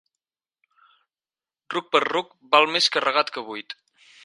Ruc per ruc, val més carregat que buit.